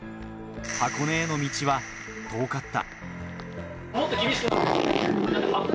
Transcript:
箱根への道は遠かった。